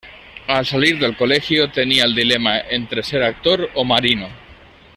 Al salir del colegio, tenía el dilema entre ser actor o marino.